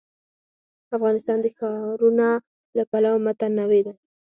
افغانستان د ښارونه له پلوه متنوع دی.